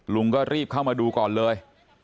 ลุงก็รีบเข้ามาดูก่อนเลย